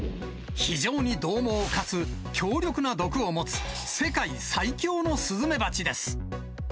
非常にどう猛かつ強力な毒を持つ、世界最強のスズメバチです。